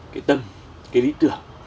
cái tâm cái lý tưởng